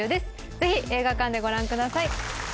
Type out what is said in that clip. ぜひ映画館でご覧ください。